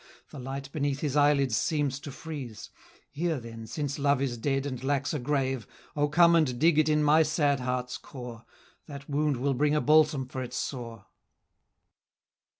The light beneath his eyelids seems to freeze; Here then, since Love is dead and lacks a grave, O come and dig it in my sad heart's core That wound will bring a balsam for its sore!"